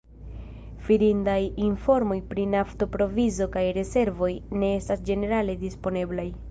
Fidindaj informoj pri nafto-provizo kaj -rezervoj ne estas ĝenerale disponeblaj.